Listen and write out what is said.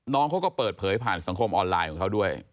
น้องเขาก็เปิดเผยผ่านสังคมออนไลน์ของเขาด้วย